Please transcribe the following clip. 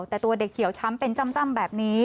แต่ตัวเด็กเขียวช้ำเป็นจ้ำแบบนี้